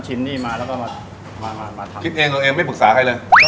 ชิมมาคิดเองรอเองไม่ปรึกษาใครเลย